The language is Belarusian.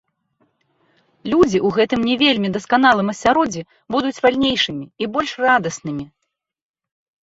Людзі ў гэтым не вельмі дасканалым асяроддзі будуць вальнейшымі і больш радаснымі!